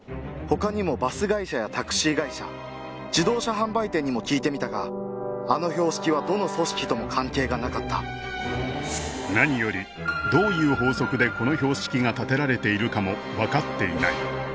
他にもバス会社やタクシー会社自動車販売店にも聞いてみたがあの標識はどの組織とも関係がなかった何よりどういう法則でこの標識が立てられているかも分かっていない